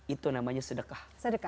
itu namanya sedekah